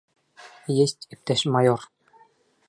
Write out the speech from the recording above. — Есть, иптәш майор.